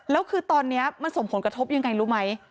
แล้วคือตอนนี้มันส่งผลกระทบยังไงรู้ไหม